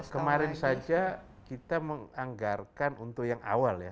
kemarin saja kita menganggarkan untuk yang awal ya